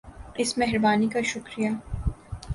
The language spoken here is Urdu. اس مہربانی کا شکریہ